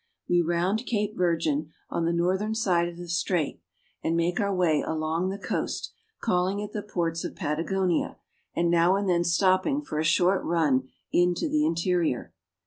We round Cape Virgin, on the northern side of the strait, and make our way along the coast, calling at the ports of Pata gonia, and now and then stopping for a short run into the interior.